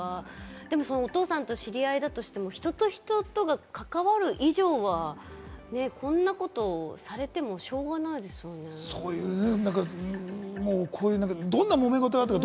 でもお父さんと知り合いだとしても、人と人とが関わる以上は、こんなことされても、しょうがないですよね。どんなもめ事があったか？